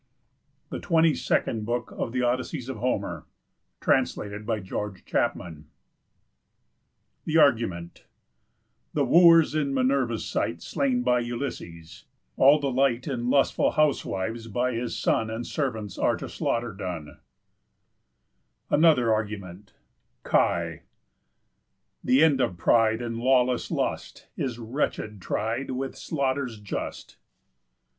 _ THE TWENTY SECOND BOOK OF HOMER'S ODYSSEYS THE ARGUMENT The Wooers in Minerva's sight Slain by Ulysses; all the light And lustful housewives by his son And servants are to slaughter done. ANOTHER ARGUMENT Χι̑. The end of pride, And lawless lust, Is wretched tried With slaughters just.